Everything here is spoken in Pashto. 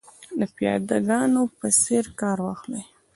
د پیاده ګانو په څېر کار واخلي.